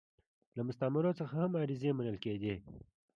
له مستعمرو څخه هم عریضې منل کېدې.